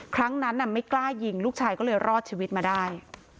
ครั้งนั้นไม่กล้ายิงลูกชายก็เลยรอดชีวิตมาได้